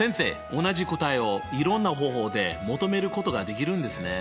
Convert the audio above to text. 同じ答えをいろんな方法で求めることができるんですね。